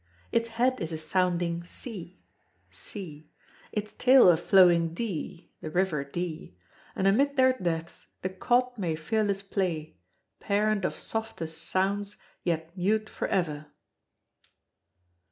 Its head is a sounding C (sea), its tail a flowing D (river Dee), and amid their depths the cod may fearless play, parent of softest sounds yet mute for ever.